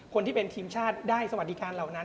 คนที่เป็นทีมชาติได้สวัสดิการเหล่านั้น